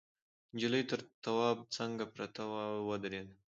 نجلۍ تر تواب څنگ پرته وه او ودرېده.